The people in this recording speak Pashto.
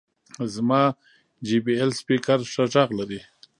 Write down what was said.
زما جې بي ایل سپیکر ښه غږ لري.